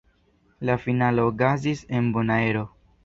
La finalo okazis en Bonaero.